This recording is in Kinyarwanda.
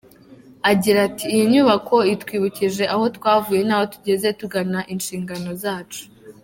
Agira ati “Iyi nyubako itwibukije aho tuvuye n’aho tugeze tugana inshingano zacu.